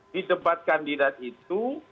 di debat kandidat itu